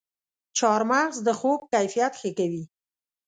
چارمغز د خوب کیفیت ښه کوي.